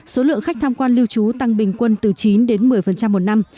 số lượng khách tham quan lưu trú tăng bình quân từ chín đến một mươi một năm